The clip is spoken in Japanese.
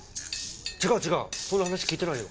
違う違うそんな話聞いてないよ。